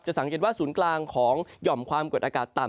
สังเกตว่าศูนย์กลางของหย่อมความกดอากาศต่ำ